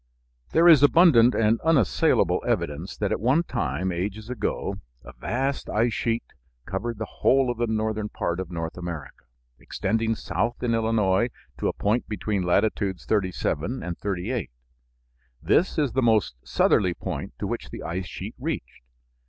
There is abundant and unassailable evidence that at one time, ages ago, a vast ice sheet covered the whole of the northern part of North America, extending south in Illinois to a point between latitudes 37 and 38. This is the most southerly point to which the ice sheet reached.